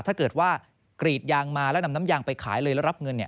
ถ้าเกิดว่ากรีดยางมาแล้วนำน้ำยางไปขายเลยแล้วรับเงินเนี่ย